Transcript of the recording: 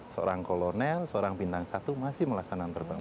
seorang kolonel seorang bintang satu masih melaksanakan terbang